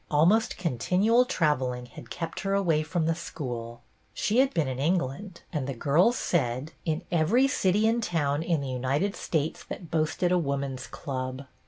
Almost con tinual travelling had kept her away from the school. She had been in England, and, the girls said, in every city and town in the BETTY BAIRD 270 United States that boasted a woman's club.